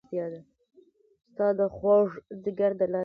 ستا د خوږ ځیګر د لاسه